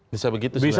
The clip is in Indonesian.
bisa begitu sebenarnya